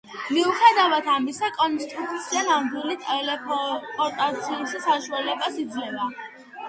მიუხედავად ამისა, კონსტრუქცია ნამდვილი ტელეპორტაციის საშუალებას იძლევა.